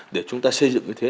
để chúng ta xây dựng như thế